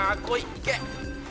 いけ。